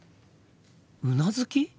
うなずき？